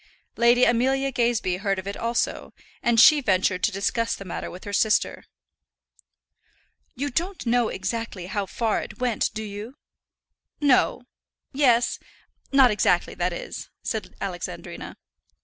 Lady Amelia Gazebee heard of it also, and she ventured to discuss the matter with her sister. "You don't know exactly how far it went, do you?" "No; yes; not exactly, that is," said Alexandrina.